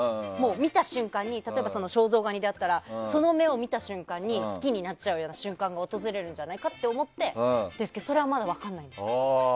見た瞬間に例えば、肖像画に出会ったらその目を見た瞬間に好きになっちゃうような瞬間が訪れるんじゃないかと思ってるんですけどそれはまだ分からないです。